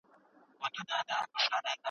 ستاسو په روح کي به د سکون څپې وي.